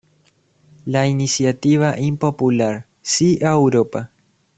La iniciativa impopular "Sí a Europa!